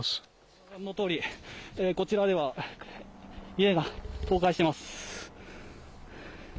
ご覧のとおり、こちらでは家が倒壊しています。